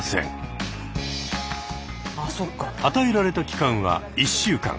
与えられた期間は１週間。